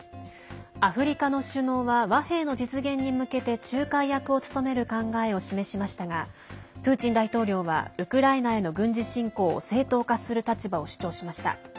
アフリカの首脳は和平の実現に向けて仲介役を務める考えを示しましたがプーチン大統領はウクライナへの軍事侵攻を正当化する立場を主張しました。